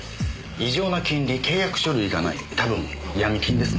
異常な金利契約書類がない多分ヤミ金ですね。